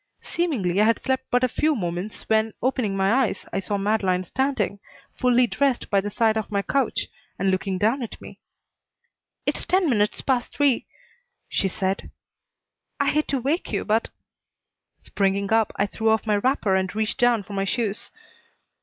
Seemingly I had slept but a few minutes when, opening my eyes, I saw Madeleine standing, fully dressed, by the side of my couch, and looking down at me. "It's ten minutes past three," she said. "I hate to wake you, but " Springing up, I threw off my wrapper and reached down for my shoes.